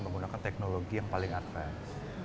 menggunakan teknologi yang paling advance